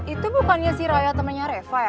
itu bukannya sih raya temennya reva ya